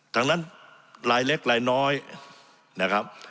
ทั้งนั้นรายเล็กรายน้อยนะครับ